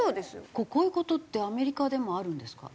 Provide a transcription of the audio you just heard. こういう事ってアメリカでもあるんですか？